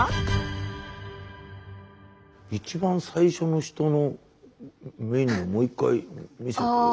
一番最初の人のメニューもう一回見せて。